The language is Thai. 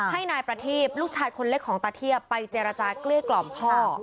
ให้นายประทีบลูกชายคนเล็กของตาเทียบไปเจรจาเกลี้ยกล่อมพ่อ